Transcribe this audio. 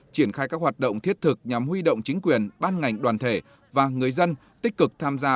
triển khai các hoạt động thiết thực nhằm huy động chính quyền ban ngành đoàn thể và người dân tích cực tham gia